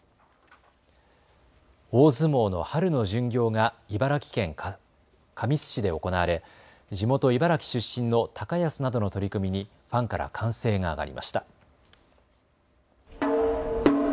大相撲の春の巡業が茨城県神栖市で行われ地元茨城出身の高安などの取組にファンから歓声が上がりました。